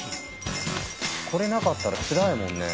これなかったらつらいもんね。